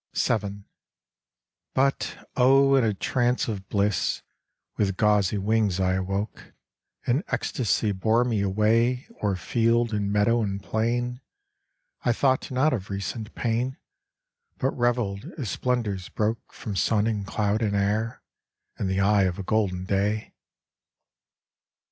VII. "But, O, in a trance of bliss, With gauzy wings I awoke! An ecstasy bore me away O'er field and meadow and plain. I thought not of recent pain, But revelled, as splendors broke From sun and cloud and air, In the eye of golden Day.